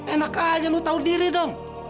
enak aja lu tahu diri dong